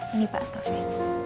ini pak stafnya